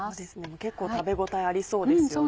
結構食べ応えありそうですよね。